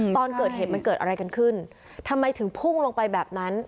ตอนเกิดเหตุมันเกิดอะไรกันขึ้นทำไมถึงพุ่งลงไปแบบนั้น